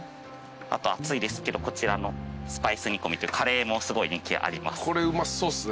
あと熱いですけどこちらのスパイス煮込みというカレーもすごい人気あります。